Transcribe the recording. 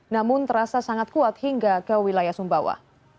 namun terasa sangat kuat hingga ke wilayah sumbawa